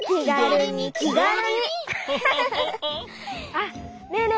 あっねえね